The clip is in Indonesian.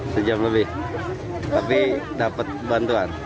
sejam lebih tapi dapat bantuan